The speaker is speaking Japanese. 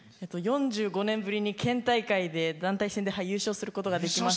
４５年ぶりに県大会で団体戦で優勝することができました。